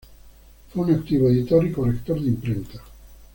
Fue un activo editor y corrector de imprenta.